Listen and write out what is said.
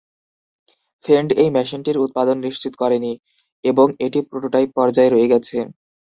ফেন্ড এই মেশিনটির উৎপাদন নিশ্চিত করেনি, এবং এটি প্রোটোটাইপ পর্যায়ে রয়ে গেছে।